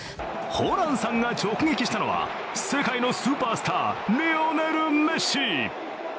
ホランさんが直撃したのは世界のスーパースター、リオネル・メッシ。